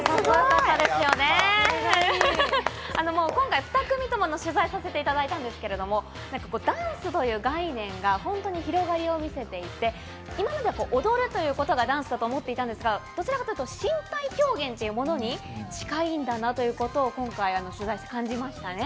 今回２組とも取材させていただいたんですけども、ダンスという概念が本当に広がりを見せていて、今まで踊るということがダンスだと思っていたんですが、そうではなく、身体表現というものに近いんだなということを感じましたね。